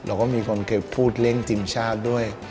เราก็มีคนเคยพูดเล่นทีมชาติด้วย